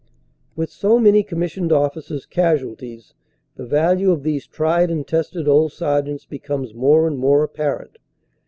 With so many commissioned officers casualties, the value of these tried and tested old Sergeants becomes more and more apparent.